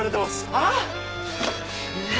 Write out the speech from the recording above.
ああ！？